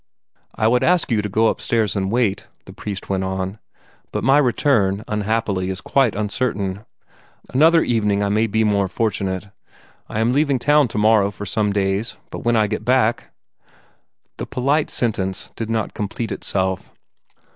"I would ask you to go upstairs and wait," the priest went on, "but my return, unhappily, is quite uncertain. Another evening I may be more fortunate. I am leaving town tomorrow for some days, but when I get back " The polite sentence did not complete itself.